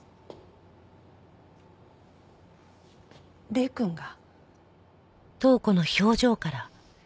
礼くんが。